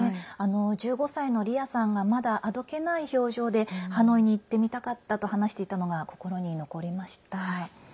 １５歳のリアさんがまだ、あどけない表情でハノイに行ってみたかったと話していたのが心に残りました。